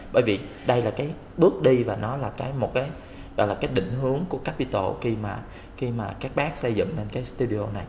bởi vì đây là cái bước đi và nó là cái định hướng của capitol khi mà các bác xây dựng lên cái studio này